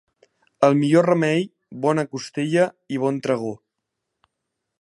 El millor remei, bona costella i bon trago.